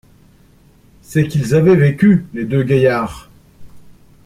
C’est qu’ils avaient vécu, les deux gaillards !